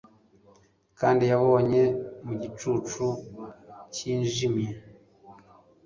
Kandi yabonye mu gicucu cyijimye